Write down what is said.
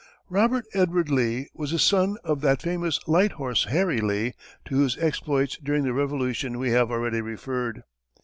Robert Edward Lee was a son of that famous "Light Horse Harry" Lee to whose exploits during the Revolution we have already referred.